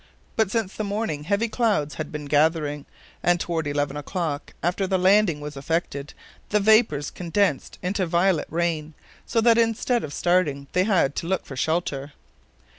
But since the morning heavy clouds had been gathering, and toward eleven o'clock, after the landing was effected, the vapors condensed into violent rain, so that instead of starting they had to look for shelter.